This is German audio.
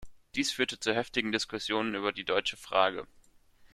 Dies führte zu heftigen Diskussionen über die Deutsche Frage.